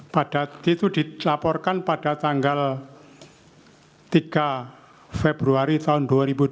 pada itu dilaporkan pada tanggal tiga februari tahun dua ribu dua puluh